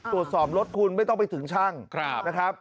ตรวจสอบรถคุณไม่ต้องไปถึงช่างนะครับ